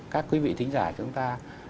các quý vị thính giải chúng ta